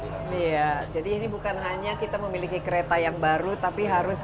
iya jadi ini bukan hanya kita memiliki kereta yang baru tapi harus